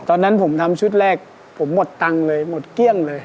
ตอนนั้นผมทำชุดแรกผมหมดตังค์เลยหมดเกลี้ยงเลย